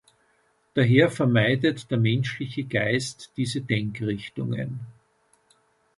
Daher vermeidet der menschliche Geist diese Denkrichtungen.